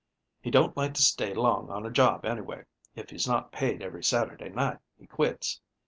He don't like to stay long on a job, anyway. If he's not paid every Saturday night, he quits.